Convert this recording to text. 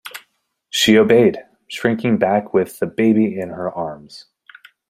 She obeyed, shrinking back with the baby in her arms.